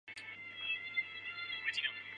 是一名马戏团特技人员。